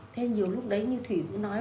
thế nhiều lúc đấy như thủy cũng nói